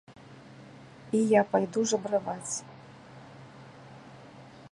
І я пайду жабраваць.